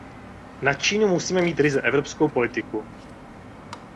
Na Čínu musíme mít ryze evropskou politiku.